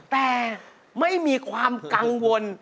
แต่ไม่มีความกังวล